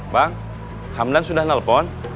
bang hamdan sudah nelfon